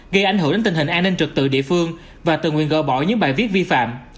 gây ảnh hưởng đến tình hình an ninh trật tự địa phương và từng nguyên gỡ bỏ những bài viết vi phạm